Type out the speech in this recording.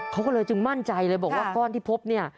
เขาก็เลยจึงมั่นใจเลยบอกว่าก้อนที่พบเนี่ย